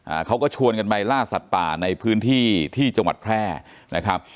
อ่าเขาก็ชวนกันไปล่าสัตว์ป่าในพื้นที่ที่จังหวัดแพร่นะครับ